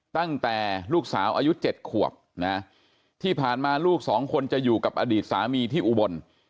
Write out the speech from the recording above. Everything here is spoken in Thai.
ตั้งแต่ลูกสาวอายุ๗ขวบนะที่ผ่านมาลูกสองคนจะอยู่กับอดีตสามีที่อุบล